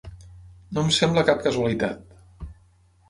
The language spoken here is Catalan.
No em sembla cap casualitat.